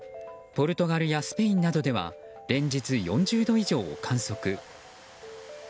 ポルトガルやスペインなどでは連日４０度以上を観測。